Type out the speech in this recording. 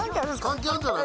関係あんじゃない？